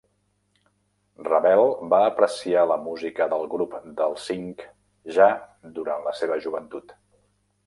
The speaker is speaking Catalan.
Ravel va apreciar la música del Grup dels Cinc ja durant la seva joventut.